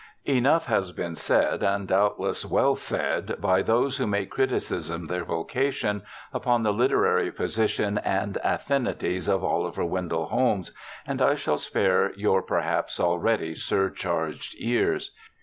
Enough has been said, and doubtless well said, by those who make criticism their vocation, upon the literary position and affinities of Oliver Wendell Holmes, and I shall spare your perhaps already surcharged ears.